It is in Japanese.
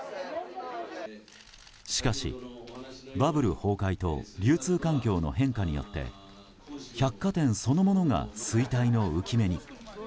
しかし、バブル崩壊と流通環境の変化によって百貨店そのものが衰退の憂き目に。